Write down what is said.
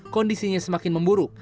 kondisinya semakin memburuk